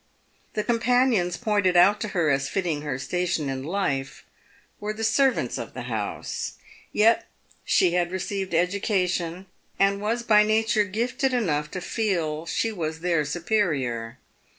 The companions pointed out to her as fitting her station in life were the servants of the house, yet she had received education, and was by nature gifted enough to 314 PAVED WITH GOLD. feel she was their superior.